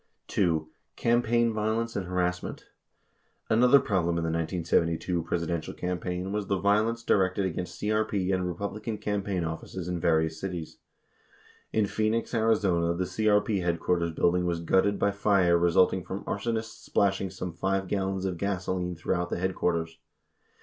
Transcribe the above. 27 2. CAMPAIGN VIOLENCE AND HARASSMENT Another problem in the 1972 Presidential campaign was the vio lence directed against CRP and Republican campaign offices in various cities. In Phoenix, Ariz., the CRP headquarters building was gutted by fire resulting from arsonists splashing some 5 gallons of gasoline throughout the headquarters.